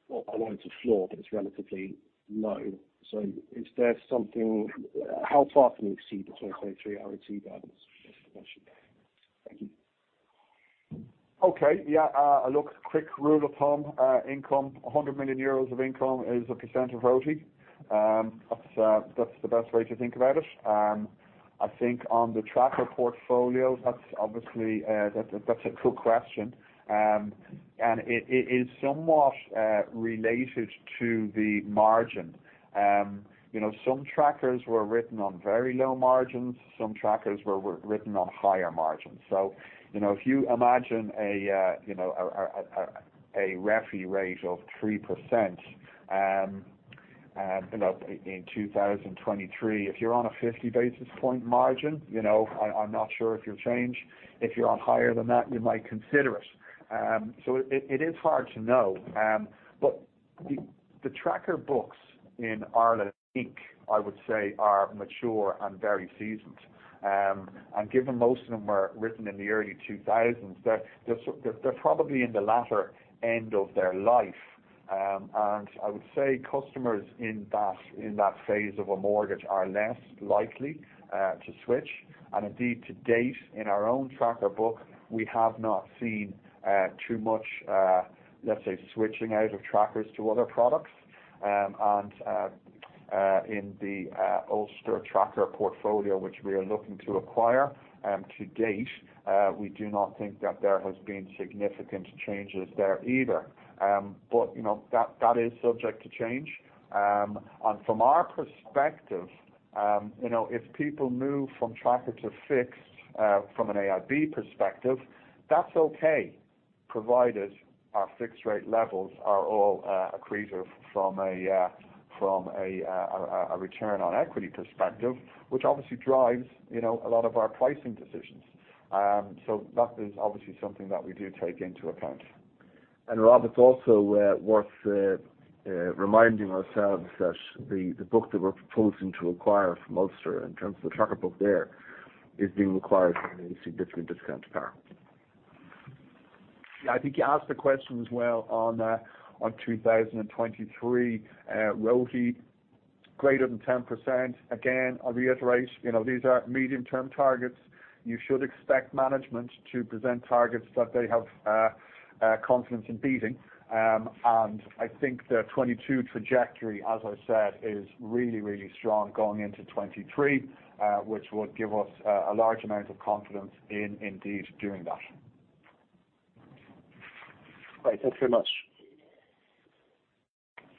Well, I won't say floor, but it's relatively low. How far can you exceed the 2023 ROTE guidance is the question. Thank you. Okay. Yeah. Look, quick rule of thumb, income, 100 million euros of income is 1% of ROTE. That's the best way to think about it. I think on the tracker portfolio, that's obviously, that's a, that's a cool question. It is somewhat related to the margin. You know, some trackers were written on very low margins. Some trackers were written on higher margins. You know, if you imagine a, you know, a REFI rate of 3%, you know, in 2023, if you're on a 50 basis point margin, you know, I'm not sure if you'll change. If you're on higher than that, you might consider it. It is hard to know. The tracker books in Ireland Inc., I would say are mature and very seasoned. Given most of them were written in the early 2000s, they're probably in the latter end of their life. I would say customers in that, in that phase of a mortgage are less likely to switch. Indeed, to date, in our own tracker book, we have not seen too much, let's say, switching out of trackers to other products. In the Ulster tracker portfolio, which we are looking to acquire, to date, we do not think that there has been significant changes there either. You know, that is subject to change. From our perspective, you know, if people move from tracker to fixed, from an AIB perspective, that's okay, provided our fixed rate levels are all accretive from a return on equity perspective, which obviously drives, you know, a lot of our pricing decisions. That is obviously something that we do take into account. Rob, it's also worth reminding ourselves that the book that we're proposing to acquire from Ulster in terms of the tracker book there, is being acquired at a significant discount to par. Yeah. I think you asked the question as well on 2023 ROTE greater than 10%. Again, I reiterate, you know, these are medium-term targets. You should expect management to present targets that they have confidence in beating. I think the 2022 trajectory, as I said, is really, really strong going into 2023, which would give us a large amount of confidence in indeed doing that. Great. Thanks very much.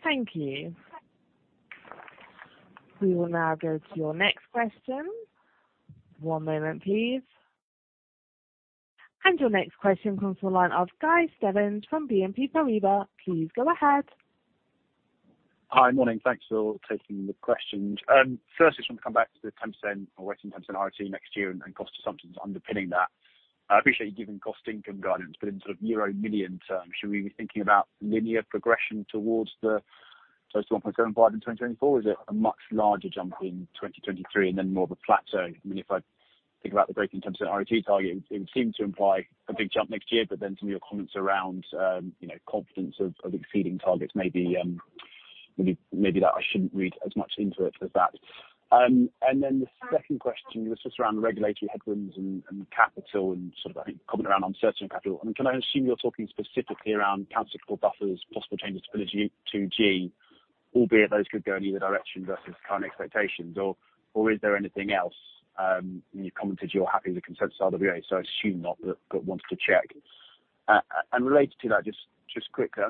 Thank you. We will now go to your next question. One moment please. Your next question comes from the line of Guy Stebbings from BNP Paribas. Please go ahead. Hi. Morning. Thanks for taking the questions. First I just want to come back to the 10% or waiting 10% ROTE next year and cost assumptions underpinning that. I appreciate you giving cost income guidance, in sort of euro million terms, should we be thinking about linear progression towards the 1.75 in 2024? Is it a much larger jump in 2023 and then more of a plateau? I mean, if I think about the breaking 10% ROTE target, it would seem to imply a big jump next year, but then some of your comments around, you know, confidence of exceeding targets maybe that I shouldn't read as much into it as that. The second question was just around regulatory headwinds and capital and sort of, I think, comment around on certain capital. I mean, can I assume you're talking specifically around countercyclical buffers, possible changes to the G, albeit those could go in either direction versus current expectations or is there anything else? You commented you're happy with the consensus RWA, so I assume not, but wanted to check. Related to that, just quickly.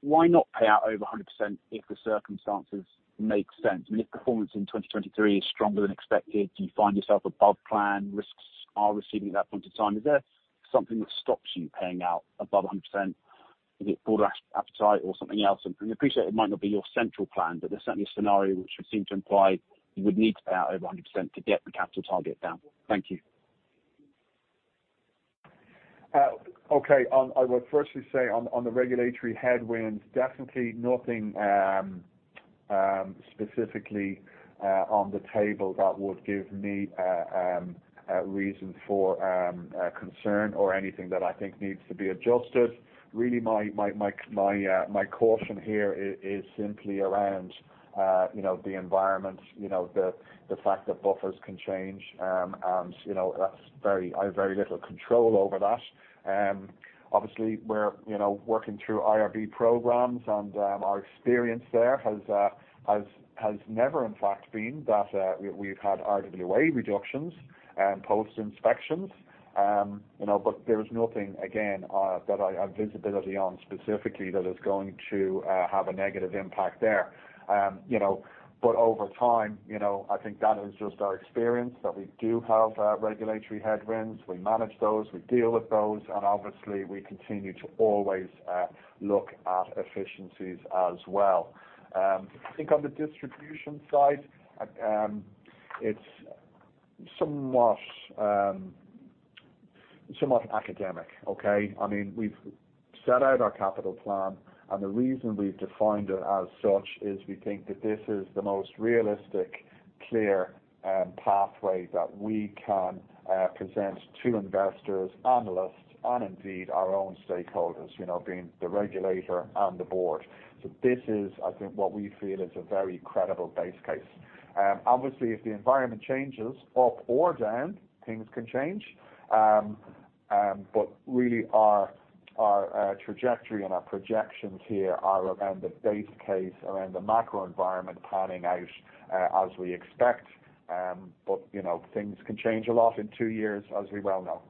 Why not pay out over 100% if the circumstances make sense? I mean, if performance in 2023 is stronger than expected, do you find yourself above plan, risks are receiving at that point in time, is there something that stops you paying out above 100%? Is it board appetite or something else? I appreciate it might not be your central plan, but there's certainly a scenario which would seem to imply you would need to pay out over 100% to get the capital target down. Thank you. Okay. I would firstly say on the regulatory headwinds, definitely nothing specifically on the table that would give me a reason for concern or anything that I think needs to be adjusted. Really my caution here is simply around, you know, the environment, you know, the fact that buffers can change. You know, I have very little control over that. Obviously we're, you know, working through IRB programs and our experience there has never in fact been that we've had RWA reductions post-inspections. There's nothing again that I have visibility on specifically that is going to have a negative impact there. You know, over time, you know, I think that is just our experience that we do have regulatory headwinds. We manage those, we deal with those. Obviously we continue to always look at efficiencies as well. I think on the distribution side, it's somewhat academic. Okay. I mean, we've set out our capital plan. The reason we've defined it as such is we think that this is the most realistic, clear, pathway that we can present to investors, analysts, and indeed our own stakeholders, you know, being the regulator and the board. This is I think what we feel is a very credible base case. Obviously if the environment changes up or down, things can change. Really our, trajectory and our projections here are around the base case, around the macro environment panning out, as we expect. You know, things can change a lot in two years, as we well know.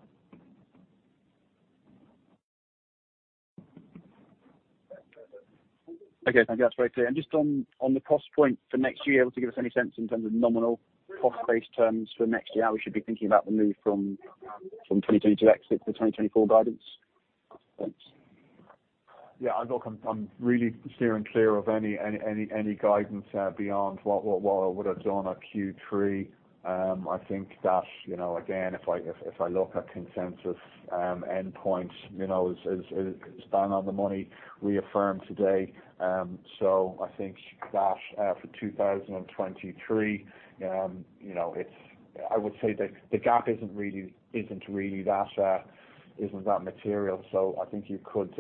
Okay, thank you. That's very clear. Just on the cost point for next year, able to give us any sense in terms of nominal cost base terms for next year, how we should be thinking about the move from 2022 exit to 2024 guidance. Thanks. Yeah. Look, I'm really steering clear of any guidance beyond what I would've done at Q3. I think that, you know, again, if I look at consensus, endpoints, you know, is bang on the money reaffirmed today. I think that for 2023, you know, I would say the gap isn't really that material. I think you could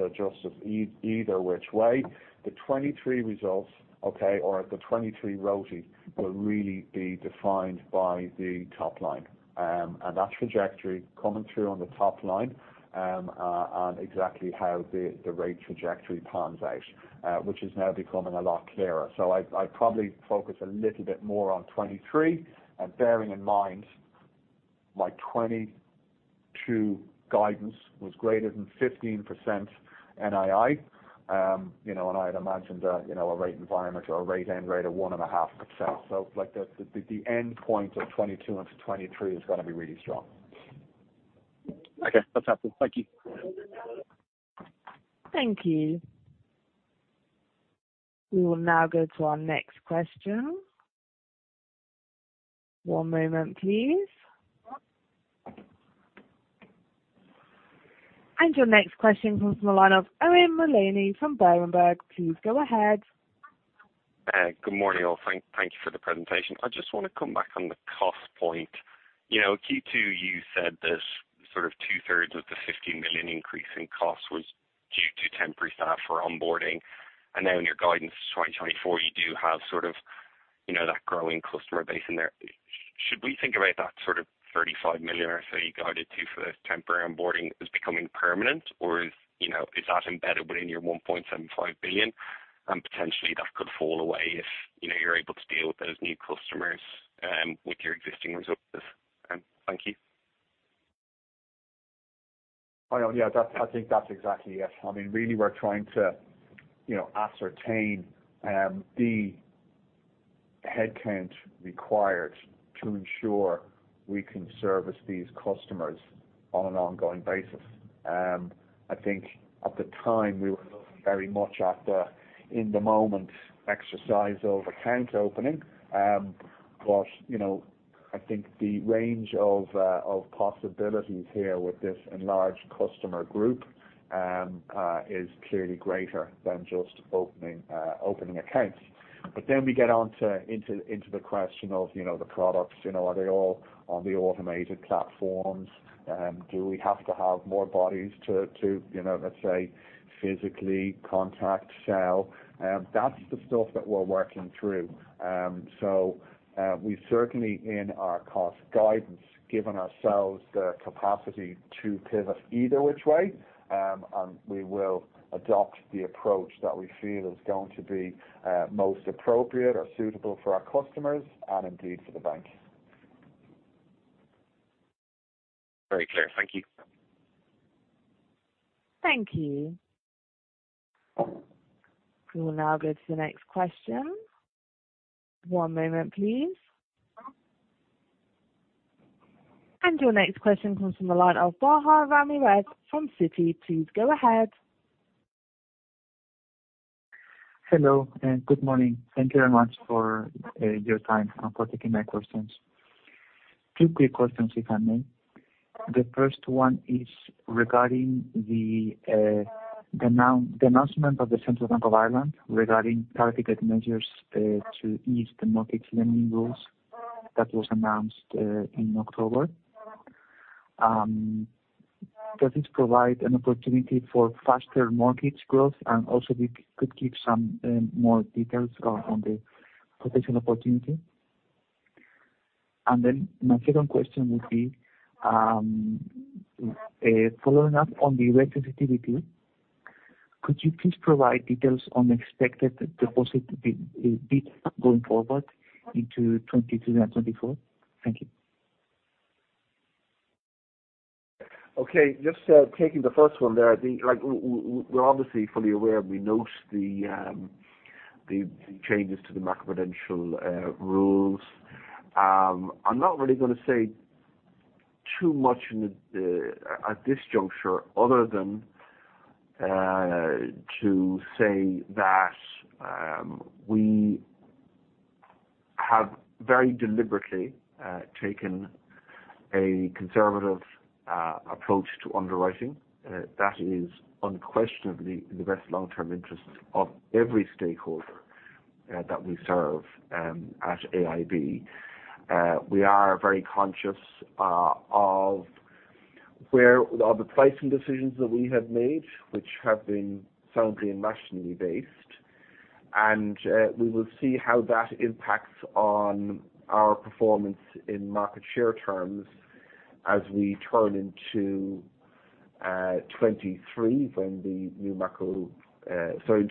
adjust it either which way. The 2023 results, okay, or the 2023 ROTES will really be defined by the top line, and that trajectory coming through on the top line, on exactly how the rate trajectory pans out, which is now becoming a lot clearer. I'd probably focus a little bit more on 2023 and bearing in mind my 2022 guidance was greater than 15% NII. you know, and I'd imagined a, you know, a rate environment or a rate end rate of 1.5%. like the end point of 2022 onto 2023 is gonna be really strong. Okay, that's helpful. Thank you. Thank you. We will now go to our next question. One moment please. Your next question comes from the line of Eoin Mullany from Berenberg. Please go ahead. Good morning all. Thank you for the presentation. I just want to come back on the cost point. You know, Q2 you said that sort of two-thirds of the 50 million increase in costs was due to temporary staff for onboarding, and now in your guidance for 2024, you do have sort of, you know, that growing customer base in there. Should we think about that sort of 35 million or so you guided to for the temporary onboarding as becoming permanent? Or is, you know, is that embedded within your 1.75 billion and potentially that could fall away if, you know, you're able to deal with those new customers with your existing resources? Thank you. Oh, yeah, I think that's exactly it. I mean, really we're trying to, you know, ascertain the headcount required to ensure we can service these customers on an ongoing basis. I think at the time we were looking very much at the in the moment exercise over account opening. You know, I think the range of possibilities here with this enlarged customer group is clearly greater than just opening accounts. Then we get onto the question of, you know, the products. You know, are they all on the automated platforms? Do we have to have more bodies to, you know, let's say, physically contact, sell? That's the stuff that we're working through. We certainly in our cost guidance, given ourselves the capacity to pivot either which way, and we will adopt the approach that we feel is going to be most appropriate or suitable for our customers and indeed for the bank. Very clear. Thank you. Thank you. We will now go to the next question. One moment please. Your next question comes from the line of Borja Ramirez from Citi. Please go ahead. Hello and good morning. Thank you very much for your time and for taking my questions. Two quick questions, if I may. The first one is regarding the announcement of the Central Bank of Ireland regarding targeted measures to ease the mortgage lending rules that was announced in October. Does this provide an opportunity for faster mortgage growth? Also if you could give some more details around the potential opportunity. My second question would be following up on the rate sensitivity, could you please provide details on expected deposit beta going forward into 2022 and 2024? Thank you. Okay, just taking the first one there. I think like we're obviously fully aware and we note the changes to the macro-prudential rules. I'm not really gonna say too much at this juncture other than to say that we have very deliberately taken a conservative approach to underwriting. That is unquestionably in the best long-term interest of every stakeholder that we serve at AIB. We are very conscious of where all the pricing decisions that we have made, which have been soundly and rationally based. And we will see how that impacts on our performance in market share terms as we turn into 2023 when the new macro... Sorry, in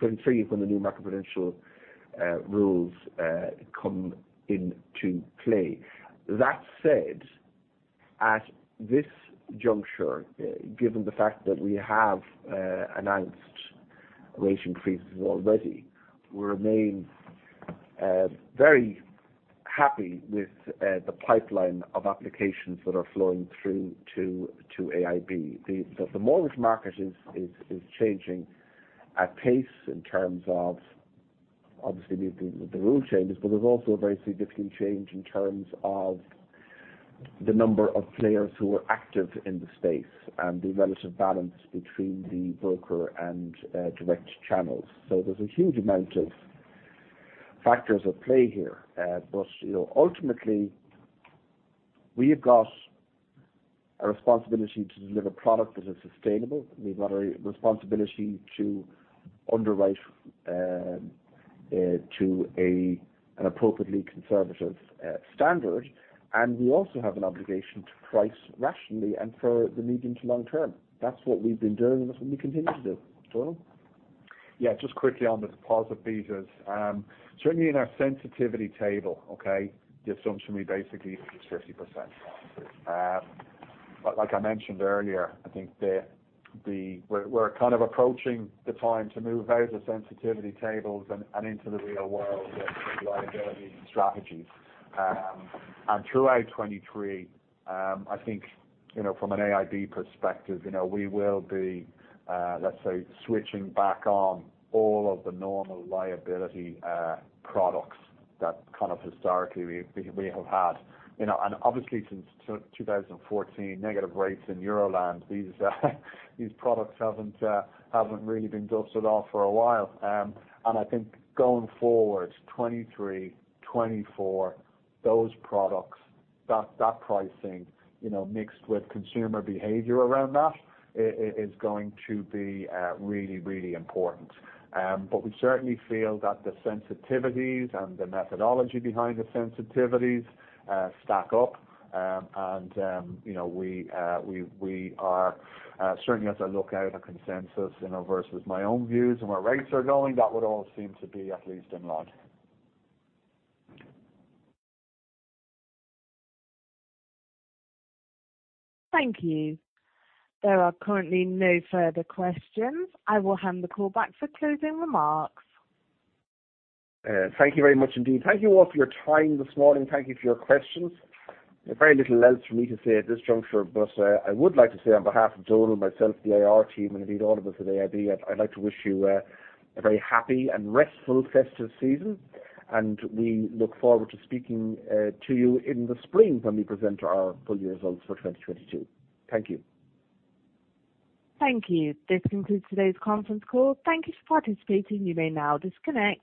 2022-2023, when the new macro-prudential rules come into play. That said, at this juncture, given the fact that we have announced rate increases already, we remain very happy with the pipeline of applications that are flowing through to AIB. The mortgage market is changing at pace in terms of obviously the rule changes, but there's also a very significant change in terms of the number of players who are active in the space and the relative balance between the broker and direct channels. There's a huge amount of factors at play here. You know, ultimately, we have got a responsibility to deliver product that is sustainable. We've got a responsibility to underwrite to an appropriately conservative standard. We also have an obligation to price rationally and for the medium to long term. That's what we've been doing, and that's what we continue to do. Donal? Yeah. Just quickly on the deposit betas. Certainly in our sensitivity table, okay, the assumption we basically use is 50%. Like I mentioned earlier, I think we're kind of approaching the time to move out of sensitivity tables and into the real world of liability strategies. Throughout 2023, I think, you know, from an AIB perspective, you know, we will be, let's say switching back on all of the normal liability products that kind of historically we have had. You know, obviously since 2014, negative rates in Euroland, these products haven't really been dust at all for a while. I think going forward, 2023, 2024, those products, that pricing, you know, mixed with consumer behavior around that, is going to be really, really important. We certainly feel that the sensitivities and the methodology behind the sensitivities stack up. You know, we are certainly as I look out, our consensus, you know, versus my own views and where rates are going, that would all seem to be at least in line. Thank you. There are currently no further questions. I will hand the call back for closing remarks. Thank you very much indeed. Thank you all for your time this morning. Thank you for your questions. There's very little else for me to say at this juncture. I would like to say on behalf of Donal Galvin, myself, the IR team, and indeed all of us at AIB, I'd like to wish you a very happy and restful festive season. We look forward to speaking to you in the spring when we present our full year results for 2022. Thank you. Thank you. This concludes today's conference call. Thank you for participating. You may now disconnect.